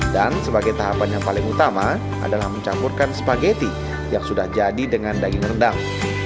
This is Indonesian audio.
dan sebagai tahapan yang paling utama adalah mencampurkan spaghetti yang sudah jadi dengan daging rendang